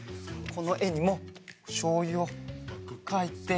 このえにもしょうゆをかいて。